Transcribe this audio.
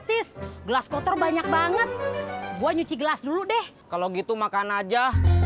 tis gelas kotor banyak banget gue nyuci gelas dulu deh kalau gitu makan aja